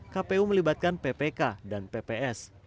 kpu melibatkan ppk dan pps